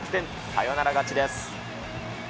サヨナラ勝ちです。